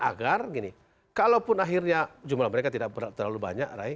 agar gini kalaupun akhirnya jumlah mereka tidak terlalu banyak rai